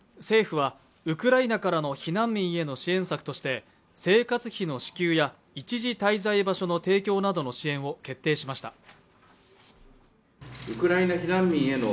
政府はウクライナからの避難民への支援策として生活費の支給や一時滞在場所の提供などの支援を決定しました。